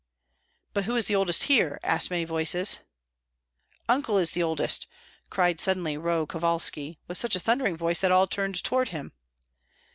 "But who is the oldest here?" asked many voices. "Uncle is the oldest," cried suddenly Roh Kovalski, with such a thundering voice that all turned toward him.